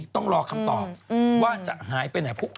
ต้องรอคำตอบว่าจะหายไปไหน